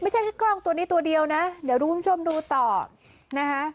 ไม่ใช่แค่กล้องตัวนี้ตัวเดียวนะเดี๋ยวดูคุณผู้ชมดูต่อนะคะ